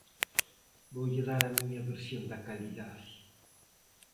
Voulle dar a miña versión da calidade.